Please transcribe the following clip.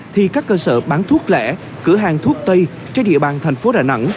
thì các cơ sở bán thuốc lẻ cửa hàng thuốc tây trên địa bàn thành phố đà nẵng